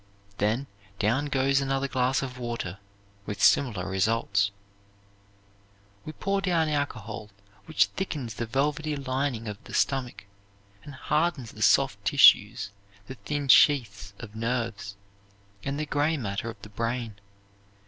Then down goes another glass of water with similar results. We pour down alcohol which thickens the velvety lining of the stomach, and hardens the soft tissues, the thin sheaths of nerves, and the gray matter of the brain.